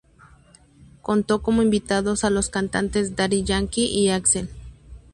Contó como invitados a los cantantes Daddy Yankee y Axel.